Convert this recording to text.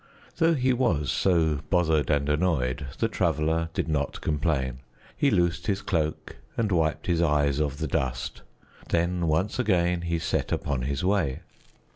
Though he was so bothered and annoyed, the Traveler did not complain. He loosed his cloak and wiped his eyes of the dust, then once again he set upon his way.